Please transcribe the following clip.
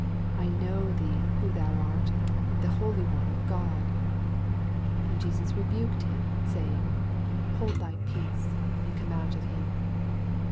I know thee who thou art, the Holy One of God. 25 And Jesus rebuked him, saying, Hold thy peace, and come out of him.